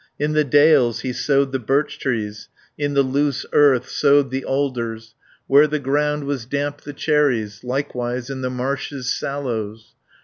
In the dales he sowed the birch trees, In the loose earth sowed the alders, Where the ground was damp the cherries, Likewise in the marshes, sallows.